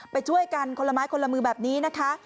ไปช่วยกันคนละไม้คนละมือแบบนี้นะคะ